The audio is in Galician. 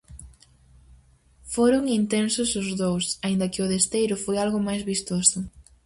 Foron intensos os dous, aínda que o de Esteiro foi algo máis vistoso.